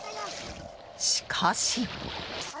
しかし。